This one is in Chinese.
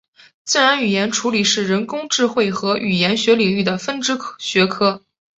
自然语言处理是人工智慧和语言学领域的分支学科。